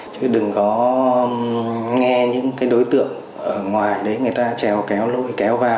chứ đừng có nghe những cái đối tượng ở ngoài đấy người ta trèo kéo lôi